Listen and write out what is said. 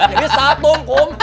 jadi saltung kum